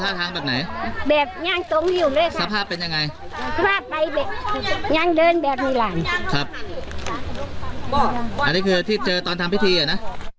ใส่เสื้อยีน